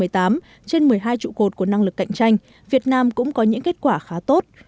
trên một mươi hai trụ cột của năng lực cạnh tranh việt nam cũng có những kết quả khá tốt